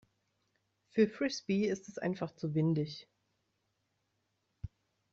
Für Frisbee ist es einfach zu windig.